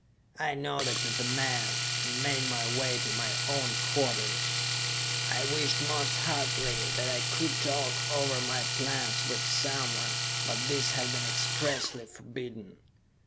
I nodded to the man, and made my way to my own quarters. I wished most heartily that I could talk over my plans with someone, but this had been expressly forbidden.